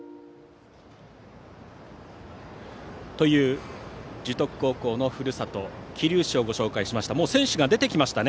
という樹徳高校のふるさと桐生市をご紹介しました。